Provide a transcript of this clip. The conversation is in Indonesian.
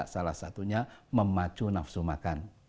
salah satunya memacu nafsu makan